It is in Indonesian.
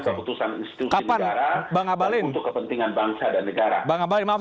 keputusan istri kapan bang abalin untuk kepentingan bangsa dan negara bang abalin maaf